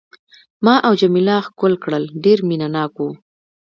ما او جميله ښکل کړل، ډېر مینه ناک وو.